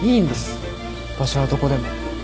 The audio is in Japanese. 場所はどこでも。